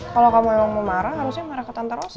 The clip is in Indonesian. kalau kamu emang mau marah harusnya marah ke tante rosa dong